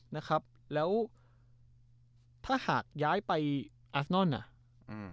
นะครับแล้วถ้าหากย้ายไปอาสนอนอ่ะอืม